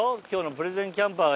今日のプレゼン